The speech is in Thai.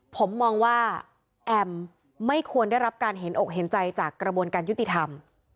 ผมมองว่าแอมไม่ควรได้รับการเห็นอกเห็นใจจากกระบวนการยุติธรรม